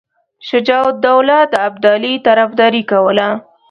شجاع الدوله د ابدالي طرفداري کوله.